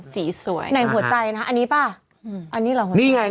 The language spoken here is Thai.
สีสวยแขวนหัวใจนะอันนี้ป่ะอันนี้แหละก่อน